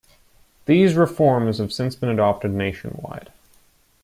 These reforms have since been adopted nationwide.